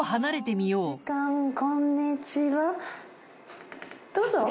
こんにちはどうぞ。